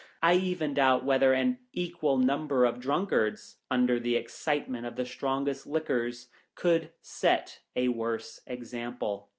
I even doubt whether an equal number of drunkards, under the excitement of the strongest liquors, could set a worse example.